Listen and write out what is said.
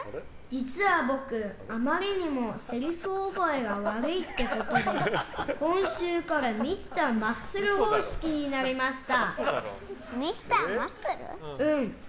実は僕あまりにもせりふ覚えが悪いってことで今週からミスターマッスル方式になりました。